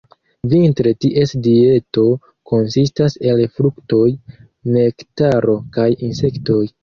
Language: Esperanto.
Vintre ties dieto konsistas el fruktoj, nektaro kaj insektoj.